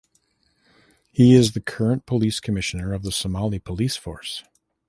He is the current Police Commissioner of the Somali Police Force.